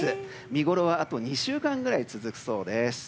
見ごろはあと２週間くらい続くそうです。